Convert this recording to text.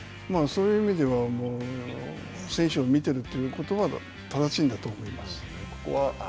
そういう意味では選手を見ているということは正しいんだと思います。